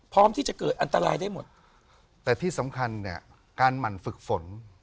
พร้อมที่จะเกิดอันตรายได้หมดแต่ที่สำคัญเนี่ยการหมั่นฝึกฝน